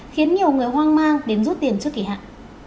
khiến nhiều người hoang mang đến rút tiền trước kỳ hạn